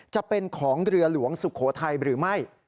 จะเป็นของเรือหลวงสุโขทัยหรือไม่